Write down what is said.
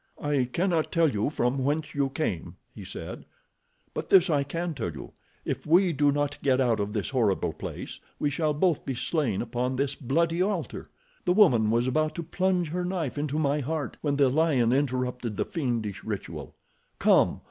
"I cannot tell you from whence you came," he said; "but this I can tell you—if we do not get out of this horrible place we shall both be slain upon this bloody altar. The woman was about to plunge her knife into my heart when the lion interrupted the fiendish ritual. Come!